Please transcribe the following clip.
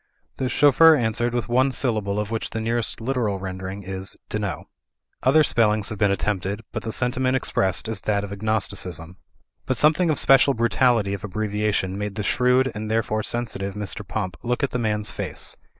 The chauffeur answered with one syllable of which the nearest literal rendering is "dno." Other spellings have been attempted, but the sentiment expressed is that of agnosticism. But something of special brutality of abbreviation made the shrewd, and therefore sensitive, Mr. Pump look at the man's face.